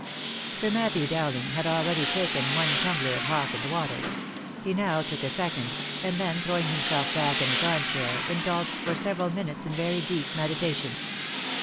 Sir Matthew Dowling had already taken one tumbler of hock and water. He now took a second, and then throwing himself back in his arm chair, indulged for several minutes in very deep meditation.